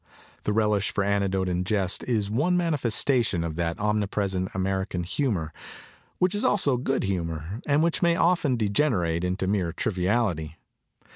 The relish for anecdote and jest is one manifestation of that omnipresent American humor, which is also good humor and which may often degenerate into mere triviality.